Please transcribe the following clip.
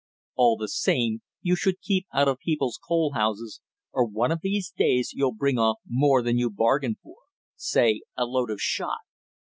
"All the same you should keep out of people's coal houses, or one of these days you'll bring off more than you bargained for; say a load of shot."